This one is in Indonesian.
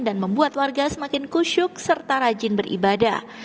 dan membuat warga semakin kusyuk serta rajin beribadah